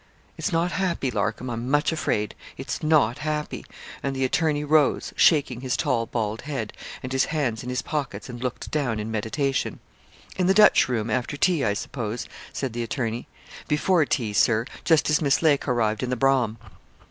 'It's not happy, Larcom, I'm much afraid; it's not happy,' and the attorney rose, shaking his tall bald head, and his hands in his pockets, and looked down in meditation. 'In the Dutch room, after tea, I suppose?' said the attorney. 'Before tea, Sir, just as Miss Lake harrived in the brougham.'